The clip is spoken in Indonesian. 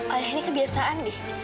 ayah ini kebiasaan dih